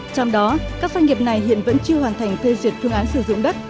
trong đó các doanh nghiệp này hiện vẫn chưa hoàn thành phê duyệt phương án sử dụng đất